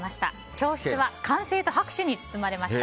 教室は歓声と拍手に包まれました。